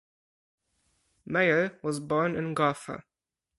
Meyer was born in Gotha.